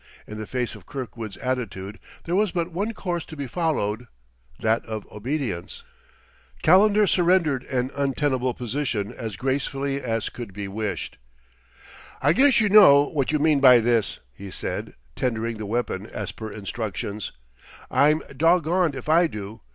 In the face of Kirkwood's attitude there was but one course to be followed: that of obedience. Calendar surrendered an untenable position as gracefully as could be wished. "I guess you know what you mean by this," he said, tendering the weapon as per instructions; "I'm doggoned if I do....